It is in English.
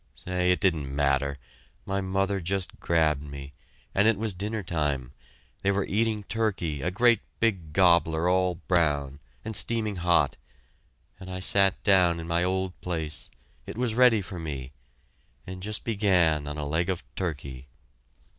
Say, it didn't matter my mother just grabbed me and it was dinner time they were eating turkey a great big gobbler, all brown and steaming hot and I sat down in my old place it was ready for me and just began on a leg of turkey..."